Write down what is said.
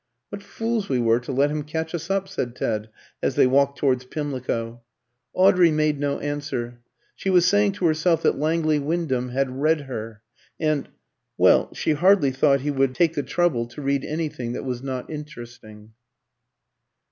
"What fools we were to let him catch us up," said Ted as they walked towards Pimlico. Audrey made no answer. She was saying to herself that Langley Wyndham had read her, and well, she hardly thought he would take the trouble to read anything that was not interesting.